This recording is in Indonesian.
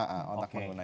iya otak pengguna